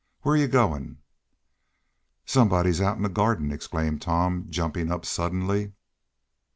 "Whar yo' goin'?" "Somebody's out in the garden!" exclaimed Tom, jumping up suddenly.